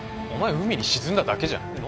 お前海に沈んだだけじゃん。